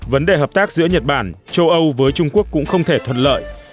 vấn đề hợp tác giữa nhật bản châu âu với trung quốc cũng không thể thuận lợi